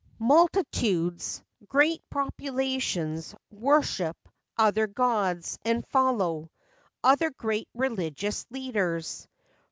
Multitudes, great populations, Worship other gods, and follow Other great religious leaders; FACTS AND FANCIES.